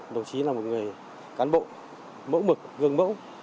đồng chí là một người cán bộ mẫu mực gương mẫu